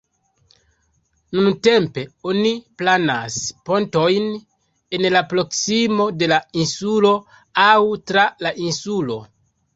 Nuntempe oni planas pontojn en la proksimo de la insulo aŭ tra la insulo.